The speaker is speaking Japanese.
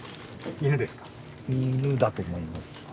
犬だと思います。